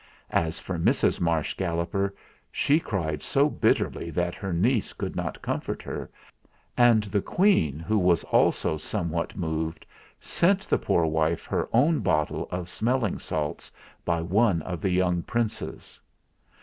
As for Mrs. Marsh Galloper, she cried so bitterly that her niece could not comfort her, and the Queen, who was also somewhat moved, sent the poor wife her own bottle of smelling salts by one of the young princes.